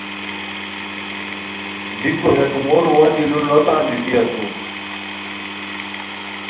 بیکو ہے کومورو وا دی لو نو تان دیتی اسور